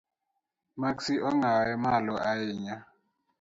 Maksi ong’aw malo ahinya?